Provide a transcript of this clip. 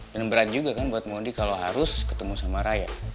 dan berat juga kan buat mundi kalo harus ketemu sama raya